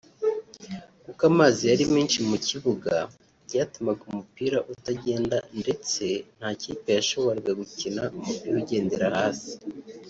kuko amazi yari menshi mu kibuga byatumaga umupira utagenda ndetse nta kipe yashoboraga gukina umupira ugendera hasi